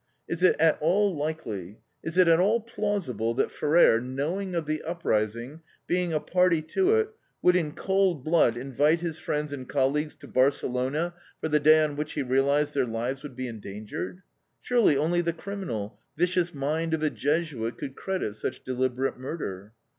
Is it at all likely, is it at all plausible that Ferrer, knowing of the uprising, being a party to it, would in cold blood invite his friends and colleagues to Barcelona for the day on which he realized their lives would be endangered? Surely, only the criminal, vicious mind of a Jesuit could credit such deliberate murder.